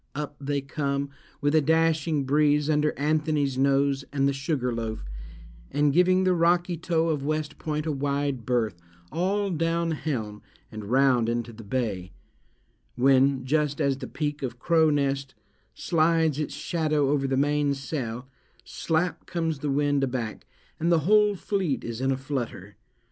Up they come, with a dashing breeze, under Anthony's Nose, and the Sugar Loaf, and giving the rocky toe of West Point a wide berth, all down helm, and round into the bay; when—just as the peak of Crow Nest slides its shadow over the mainsail—slap comes the wind aback, and the whole fleet is in a flutter.